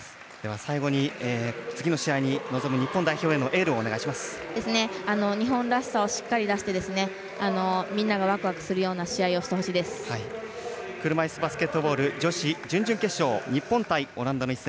最後に、次の試合に臨む日本代表への日本らしさをしっかり出してみんながワクワクするような車いすバスケットボール女子準々決勝日本対オランダの一戦。